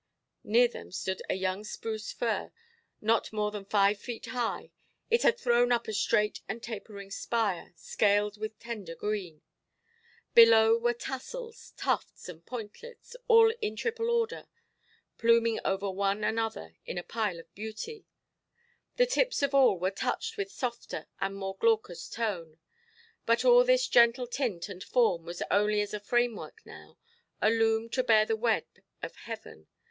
Near them stood a young spruce fir, not more than five feet high. It had thrown up a straight and tapering spire, scaled with tender green. Below were tassels, tufts, and pointlets, all in triple order, pluming over one another in a pile of beauty. The tips of all were touched with softer and more glaucous tone. But all this gentle tint and form was only as a framework now, a loom to bear the web of heaven.